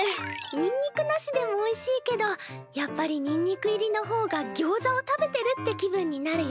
にんにくなしでもおいしいけどやっぱりにんにく入りの方がギョウザを食べてるって気分になるよね。